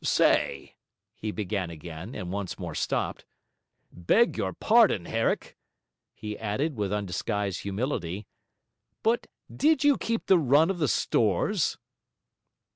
'Say,' he began again, and once more stopped. 'Beg your pardon, Herrick,' he added with undisguised humility, 'but did you keep the run of the stores?'